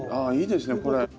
あいいですねこれ。